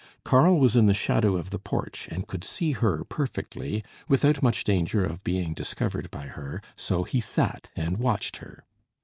Karl was in the shadow of the porch, and could see her perfectly, without much danger of being discovered by her; so he sat and watched her.